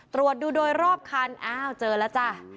ตรวจดูโดยรอบคันอ้าวเจอแล้วจ้ะ